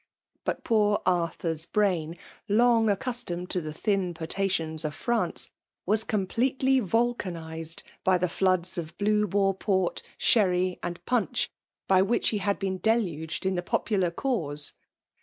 But poor Arthur's brain, long accustomed to the thin potations of France, was completely volcanized by the floods of Blue Boar port, sherry, and punch, by which he had been de* luged in the popular cause.